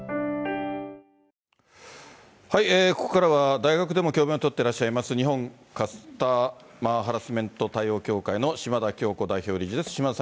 ここからは大学でも教べんをとってらっしゃいます、日本カスタマーハラスメント対応協会の島田恭子代表理事です。